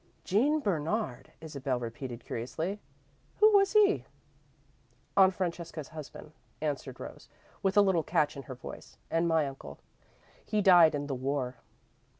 "Jean Bernard!" Isabel repeated, curiously. "Who was he?" "Aunt Francesca's husband," answered Rose, with a little catch in her voice, "and my uncle. He died in the War."